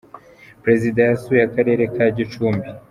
perezida yasuye akarere ka gicumbi.